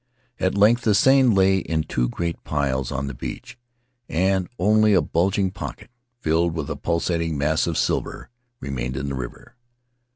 At length the seine lay in two great piles on the beach, and only a bulging pocket, filled with a pulsating mass of silver, remained in the river.